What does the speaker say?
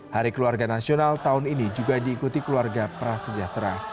hari keluarga nasional tahun ini juga diikuti keluarga prasejahtera